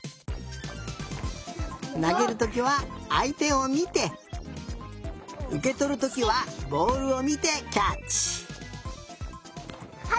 なげるときはあいてをみてうけとるときはボールをみてキャッチ！